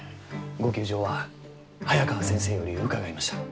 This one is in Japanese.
ご窮状は早川先生より伺いました。